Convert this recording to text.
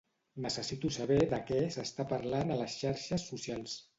Necessito saber de què s'està parlant a les xarxes socials.